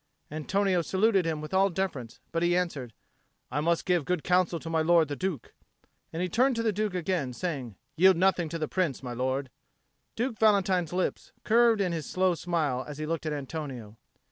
Antonio saluted him with all deference, but he answered, "I must give good counsel to my lord the Duke." And he turned to the Duke again, saying, "Yield nothing to the Prince, my lord." Duke Valentine's lips curved in his slow smile as he looked at Antonio.